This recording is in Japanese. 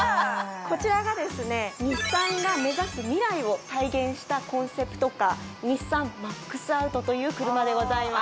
こちらがですね日産が目指す未来を体現したコンセプトカー日産Ｍａｘ−Ｏｕｔという車でございます